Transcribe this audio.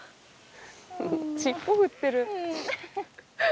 尻尾振ってる。